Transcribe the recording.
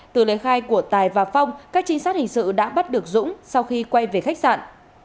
từ lời khai của tài và phong các trinh sát hình sự đã bắt được dũng sau khi quay về khách sạn